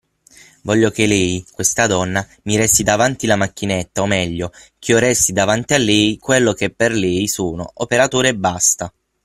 voglio che lei, questa donna, mi resti davanti la macchinetta, o, meglio, ch'io resti davanti a lei quello che per lei sono, operatore, e basta.